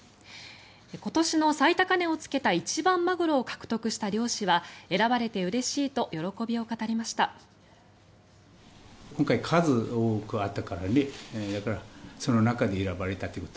今年の最高値をつけた一番マグロを獲得した漁師は選ばれてうれしいと喜びを語りました。